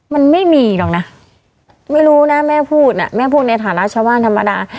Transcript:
มันไม่มีหรอกนะไม่รู้นะแม่พูดน่ะแม่พูดในฐานะชาวบ้านธรรมดา